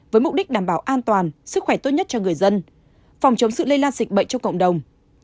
với mục đích đảm bảo an toàn sức khỏe tốt nhất cho người dân phòng chống sự lây lan dịch bệnh trong cộng đồng